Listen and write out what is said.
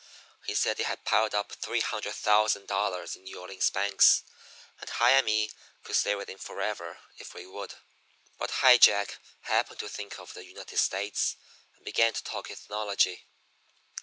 He said he had piled up $300,000 in New Orleans banks, and High and me could stay with him forever if we would. But High Jack happened to think of the United States, and began to talk ethnology.